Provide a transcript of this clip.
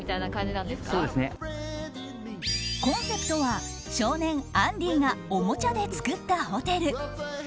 コンセプトは少年アンディがおもちゃで作ったホテル。